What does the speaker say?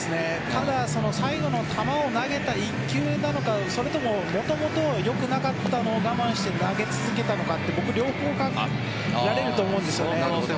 ただ最後の球を投げた１球なのかそれとも、もともと良くなかったのを我慢して投げ続けたのか両方考えられると思うんですよね。